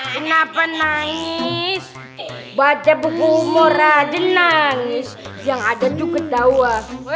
kenapa nangis baca buku morada nangis yang ada juga tawa